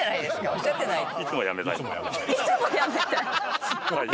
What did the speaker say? おっしゃってないです。